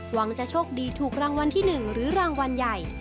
หวังจะโชคดีถูกรางวัลที่๑หรือรางวัลใหญ่